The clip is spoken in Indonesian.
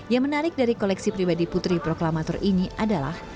yang menarik dari koleksi pribadi putri proklamator ini adalah